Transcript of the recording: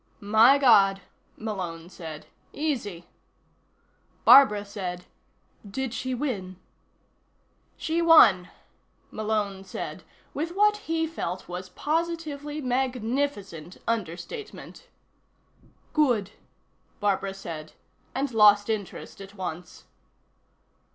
"My God," Malone said. "Easy." Barbara said: "Did she win?" "She won," Malone said with what he felt was positively magnificent understatement. "Good," Barbara said, and lost interest at once.